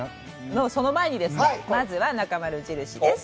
その前にですね、まずはなかまる印です。